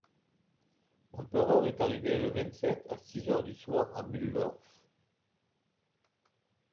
L'empereur est arrivé le vingt-sept, à six heures du soir, à Mulhdorf.